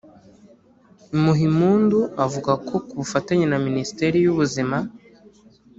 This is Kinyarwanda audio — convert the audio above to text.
Muhimpundu avuga ko ku bufatanye na Ministeri y’Ubuzima